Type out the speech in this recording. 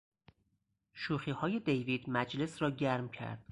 شوخیهای دیوید مجلس را گرم کرد.